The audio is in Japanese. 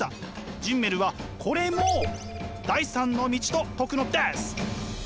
ジンメルはこれも第３の道と説くのです。